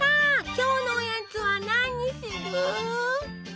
今日のおやつは何にする？